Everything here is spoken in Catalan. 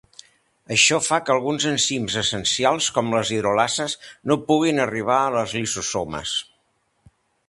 Això fa que alguns enzims essencials, com les hidrolases, no puguin arribar als lisosomes.